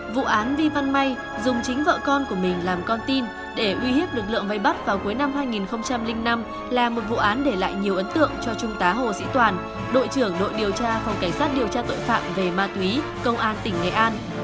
vụ án vi văn may dùng chính vợ con của mình làm con tin để uy hiếp lực lượng vây bắt vào cuối năm hai nghìn năm là một vụ án để lại nhiều ấn tượng cho trung tá hồ sĩ toàn đội trưởng đội điều tra phòng cảnh sát điều tra tội phạm về ma túy công an tỉnh nghệ an